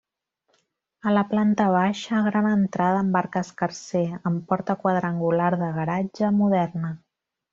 A la planta baixa, gran entrada amb arc escarser, amb porta quadrangular de garatge moderna.